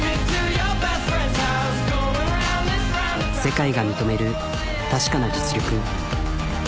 世界が認める確かな実力。